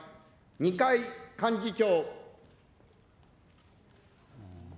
二階幹事長。